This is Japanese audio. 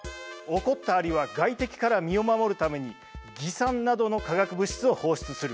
怒った蟻は外敵から身を守るために蟻酸などの化学物質を放出する。